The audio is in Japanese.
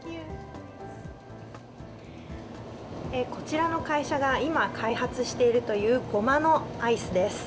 こちらの会社が今、開発しているというごまのアイスです。